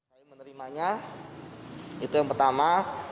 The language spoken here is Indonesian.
saya menerimanya itu yang pertama